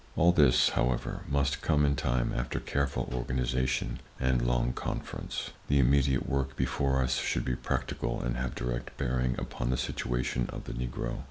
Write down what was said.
All this, however, must come in time after careful organization and long conference. The immediate work before us should be practical and have direct bearing upon the situation of the Negro.